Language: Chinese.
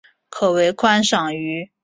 可为观赏鱼。